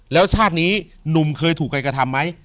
แล้วชาตินี้หนุ่มเคยถูกใครกระทำไหม